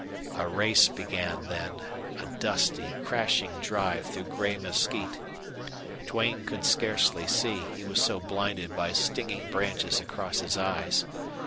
A race began then, a dusty, crashing drive through gray mesquite. Duane could scarcely see, he was so blinded by stinging branches across his eyes.